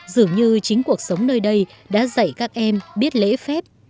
dường như chính cuộc sống nơi đây đã dạy các em biết lễ phép